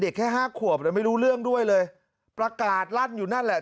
แค่ห้าขวบเลยไม่รู้เรื่องด้วยเลยประกาศลั่นอยู่นั่นแหละ